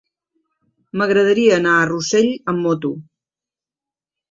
M'agradaria anar a Rossell amb moto.